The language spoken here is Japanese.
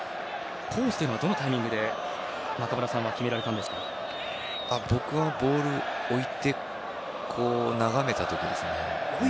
コースは、どのタイミングで僕は、ボール置いて眺めた時ですね。